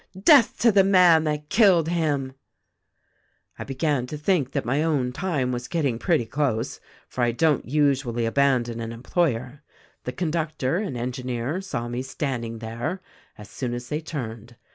Death to the man that killed him !' "I began to think that my own time was getting pretty close, for I don't usually abandon an employer. The con ductor and engineer saw me standing there, as soon as they turned.